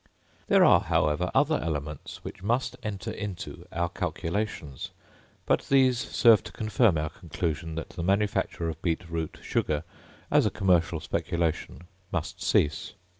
There are, however, other elements which must enter into our calculations; but these serve to confirm our conclusion that the manufacture of beet root sugar as a commercial speculation must cease.